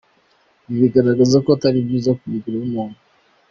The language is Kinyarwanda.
Ibi bigaragaza ko atari byiza ku mubiri w’umuntu.